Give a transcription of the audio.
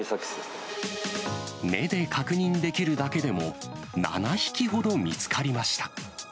目で確認できるだけでも、７匹ほど見つかりました。